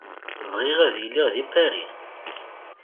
Bɣiɣ ad iliɣ deg Paris.